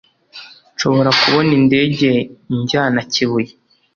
Nshobora kubona indege injyana kibuye?